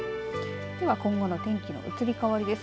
では今後の天気の移り変わりです。